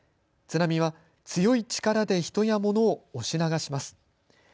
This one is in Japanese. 津波は強い力で人や物を押し流します。